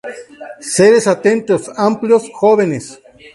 Seres Atentos, amplios, jóvenes.